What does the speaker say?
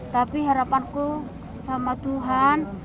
tapi harapanku sama tuhan